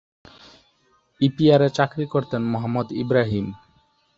ইপিআরে চাকরি করতেন মোহাম্মদ ইব্রাহিম।